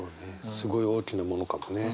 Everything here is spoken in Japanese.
すごい大きなものかもね。